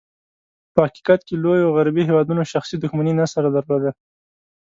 په حقیقت کې، لوېو غربي هېوادونو شخصي دښمني نه سره درلوده.